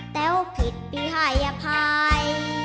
แต้วผิดพี่หายภาย